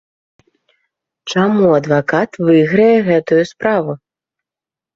Чаму адвакат выйграе гэтую справу?